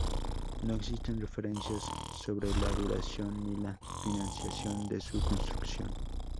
No existen referencias sobre la duración ni la financiación de su construcción.